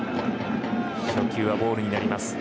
初球はボールになります。